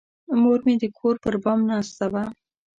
مور مې د کور پر بام ناسته وه.